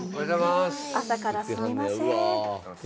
朝からすみません。